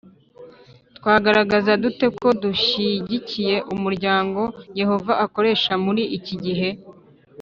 Twagaragaza dute ko dushyigikiye umuryango Yehova akoresha muri iki gihe